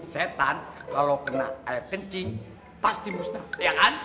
setan kalau kena air kecing pasti musnah ya kan